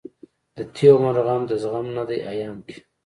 دتېر عمر غم دزغم نه دی ايام کې